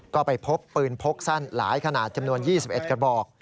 ก็ไปพบปืนพกสั้นหลายขนาดจำนวน๒๑กระบอก